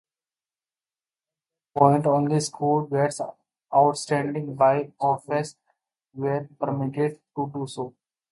At that point only schools graded outstanding by Ofsted were permitted to do so.